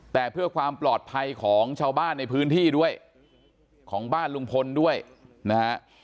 แต่เพื่อความปลอดภัยของชาวบ้านในพื้นที่ด้วยของบ้านลุงพลด้วยนะฮะ